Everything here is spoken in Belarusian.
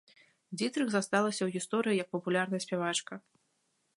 Дзітрых засталася ў гісторыі і як папулярная спявачка.